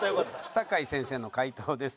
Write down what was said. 酒井先生の回答です。